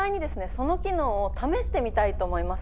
その機能を試してみたいと思います。